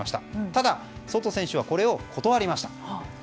ただ、ソト選手はこれを断りました。